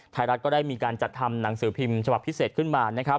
ไทยรัฐก็ได้มีการจัดทำหนังสือพิมพ์ฉบับพิเศษขึ้นมานะครับ